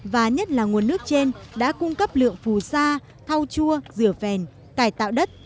và nhất là nguồn nước trên đã cung cấp lượng phù sa thau chua rửa phèn cải tạo đất